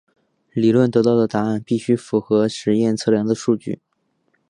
理论得到的答案必须符合实验测量的数据。